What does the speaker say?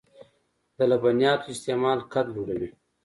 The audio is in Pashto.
د لبنیاتو استعمال قد لوړوي .